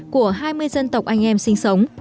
của hai mươi dân tộc anh em sinh sống